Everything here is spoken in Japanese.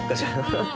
ハハハッ。